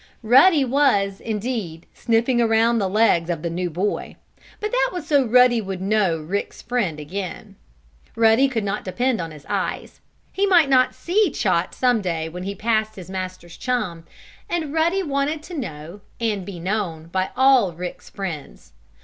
Ruddy was, indeed, sniffing around the legs of the new boy. But that was so Ruddy would know Rick's friend again. Ruddy could not depend on his eyes. He might not see Chot some day when he passed his master's chum, and Ruddy wanted to know, and be known, by all Rick's friends.